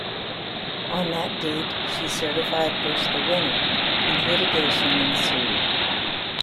On that date, she certified Bush the winner and litigation ensued.